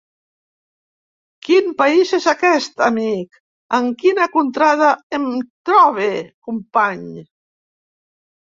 Quin país és aquest, amic? En quina contrada em trobe, company?